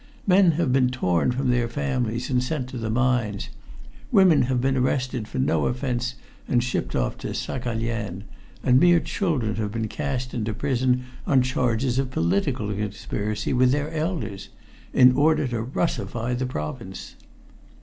Men have been torn from their families and sent to the mines, women have been arrested for no offense and shipped off to Saghalien, and mere children have been cast into prison on charges of political conspiracy with their elders in order to Russify the province!